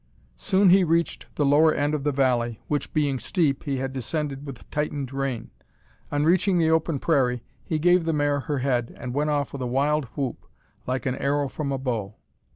Soon he reached the lower end of the valley, which, being steep, he had descended with tightened rein. On reaching the open prairie he gave the mare her head and went off with a wild whoop like an arrow from a bow.